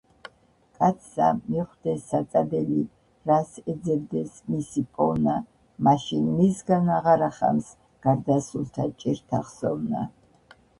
კაცსა მიჰხვდეს საწადელი, რას ეძებდეს, მისი პოვნა, მაშინ მისგან აღარა ხამს გარდასრულთა ჭირთა ხსოვნა.